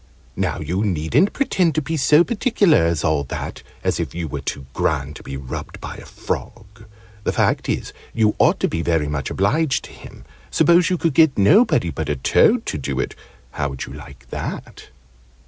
"Now you needn't pretend to be so particular as all that, as if you were too grand to be rubbed by a frog. The fact is, you ought to be very much obliged to him. Suppose you could get nobody but a toad to do it, how would you like that?"